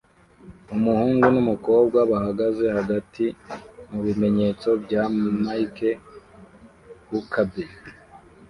Umuhungu numukobwa bahagaze hagati mubimenyetso bya Mike Huckabee